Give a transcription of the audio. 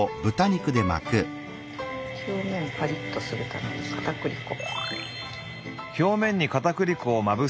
表面パリッとするためにかたくり粉。